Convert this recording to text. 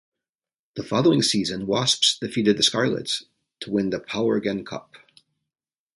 The following season Wasps defeated the Scarlets to win the Powergen Cup.